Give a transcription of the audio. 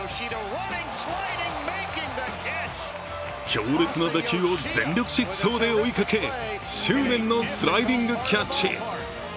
強烈な打球を全力疾走で追いかけ執念のスライディングキャッチ。